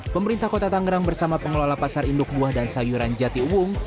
pemerintah kota tangerang bersama pengelola pasar induk buah dan sayuran jati uwung